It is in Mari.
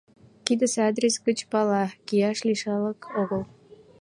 Кидысе адрес гыч пала: каяш лишылак огыл.